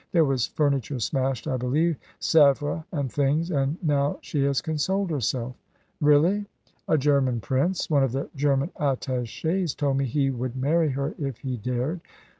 There was furniture smashed, I believe Sèvres and things and now she has consoled herself." "Really?" "A German Prince. One of the German attachés told me he would marry her if he dared.